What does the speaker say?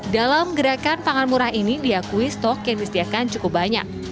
dalam gerakan pangan murah ini diakui stok yang disediakan cukup banyak